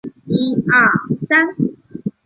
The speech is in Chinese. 该镇拥有著名的瑞米耶日修道院废墟。